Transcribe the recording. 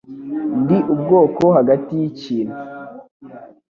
Ndi ubwoko hagati yikintu.